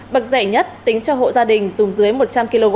bậc rẻ nhất tính cho hộ gia đình dùng dưới một trăm linh kw thay cho năm mươi kw